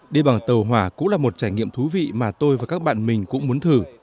đi bằng tàu hỏa cũng là một trải nghiệm thú vị mà tôi và các bạn mình cũng muốn thử